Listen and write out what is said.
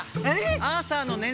アーサーのねん